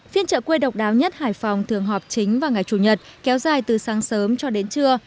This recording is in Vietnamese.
phiên chợ quê độc đáo nhất hải phòng thường họp chính vào ngày chủ nhật kéo dài từ sáng sớm cho đến trưa